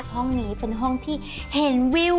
ห้องนี้เป็นห้องที่เห็นวิว